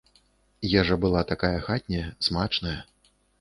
Ежа была такая хатняя, смачная.